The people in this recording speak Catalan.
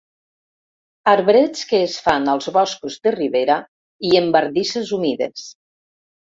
Arbrets que es fan als boscos de ribera i en bardisses humides.